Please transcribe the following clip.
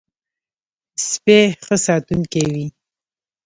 سپي ښه ساتونکی وي.